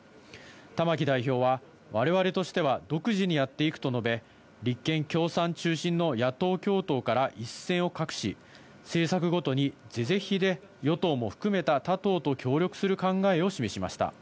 玉木代表は、われわれとしては独自にやっていくと述べ、立憲、共産中心の野党共闘から一線を画し、政策ごとに是々非々で与党も含めた他党と協力する考えを示しました。